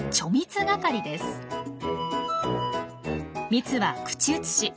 蜜は口移し。